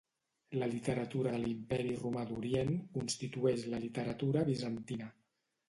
La literatura de l'Imperi romà d'Orient constitueix la literatura bizantina.